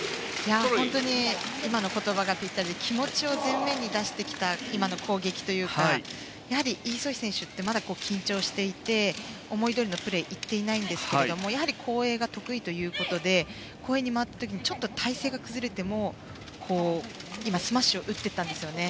本当に今の言葉がぴったりで気持ちを前面に出してきた今の攻撃というかやはりイ・ソヒ選手ってまだ緊張していて思いどおりのプレーがいっていないんですけどもやはり、後衛が得意ということで後衛に回った時はちょっと体勢が崩れてもスマッシュを打っていったんですよね。